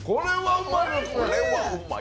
うまーい！